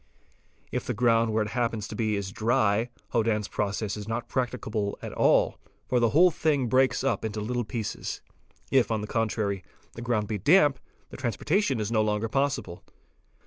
If the ground where it happens to be is dry, Hodann's process is not practicable at all, for the whole thing _ breaks up into little pieces; if on the contrary the ground be damp, the transportation is no longer possible.